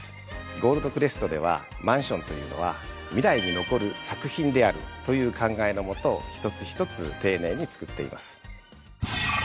ゴールドクレストではマンションというのは未来に残る作品であるという考えの下一つ一つ丁寧につくっています。